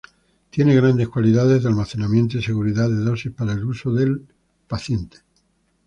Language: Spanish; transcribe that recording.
Tienen grandes cualidades de almacenamiento y seguridad de dosis para el uso del paciente.